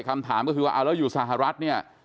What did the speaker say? คำถามก็คือว่าเอาแล้วอยู่สหรัฐเนี่ย